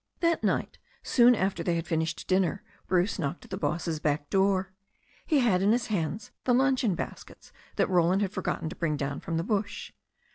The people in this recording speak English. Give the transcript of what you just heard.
That night, soon after they had finished dinner, Bruce knocked at the boss's back door. He had in his hands the luncheon baskets that Roland had forgotten to bring down from the bush.